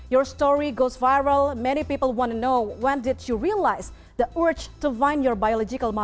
cerita anda berjalan viral banyak orang ingin tahu kapan anda menyadari keinginan untuk mencari ibu biologi anda